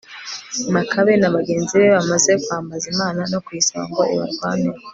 makabe na bagenzi be bamaze kwambaza imana no kuyisaba ngo ibarwaneho